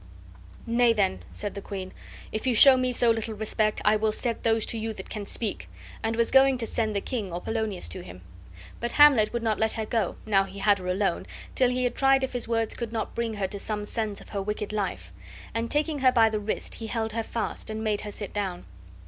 "Nay, then," said the queen, "if you show me so little respect, I will set those to you that can speak," and was going to send the king or Polonius to him. But Hamlet would not let her go, now he had her alone, till he had tried if his words could not bring her to some sense of her wicked life; and, taking her by the wrist, he held her fast, and made her sit down.